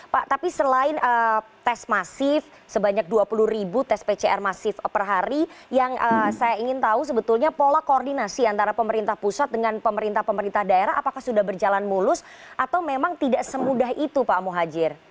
pak tapi selain tes masif sebanyak dua puluh ribu tes pcr masif per hari yang saya ingin tahu sebetulnya pola koordinasi antara pemerintah pusat dengan pemerintah pemerintah daerah apakah sudah berjalan mulus atau memang tidak semudah itu pak muhajir